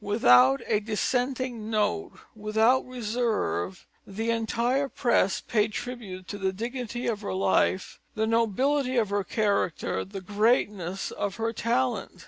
Without a dissenting note, without reserve, the entire press paid tribute to the dignity of her life, the nobility of her character, the greatness of her talent.